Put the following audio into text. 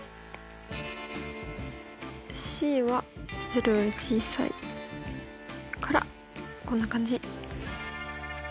ｃは０より小さいからこんな感じ。